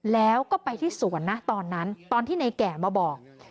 แล้วก็ไปที่สวนนะตอนนั้นตอนที่ในแก่มาบอก